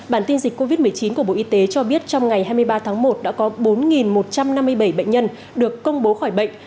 bản tin dịch covid một mươi chín của bộ y tế cho biết trong ngày hai mươi ba tháng một đã có bốn một trăm năm mươi bảy bệnh nhân được công bố khỏi bệnh